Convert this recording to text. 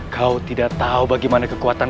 kau tidak tahu bagaimana kekuatan